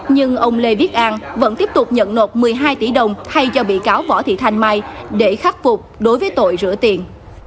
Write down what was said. nhưng ông lê viết an vẫn tiếp tục nhận nộp một mươi hai tỷ đồng thay cho bị cáo võ thị thanh mai để khắc phục đối với tội rửa tiền